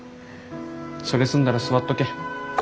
それ済んだら座っとけ。